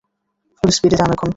ফুল স্পিডে যান এখন!